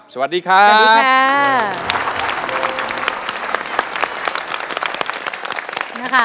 สวัสดีครับ